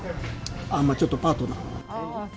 ちょっとパートナーに。